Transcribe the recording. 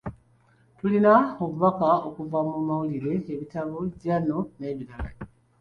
Tufuna obubaka okuva mu mawulire, ebitabo, jjano, n'ebirala.